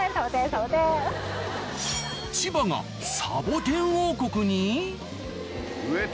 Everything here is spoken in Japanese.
千葉がサボテン王国に？